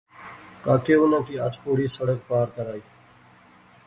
کاکے اُناں کی ہتھ پوڑی سڑک پار کرائی